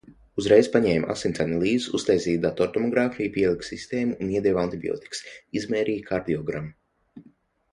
Uzreiz paņēma asins analīzes, uztaisīja datortomogrāfiju, pielika sistēmu un iedeva antibiotikas. Izmērīja kardiogramu.